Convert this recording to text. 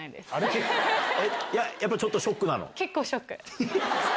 やっぱちょっとショックなの？